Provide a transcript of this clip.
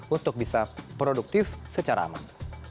untuk bisa produktif secara aman